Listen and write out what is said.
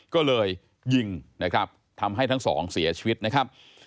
ก็เลยยิงนะครับทำให้ทั้งสองเสียชีวิตนะครับ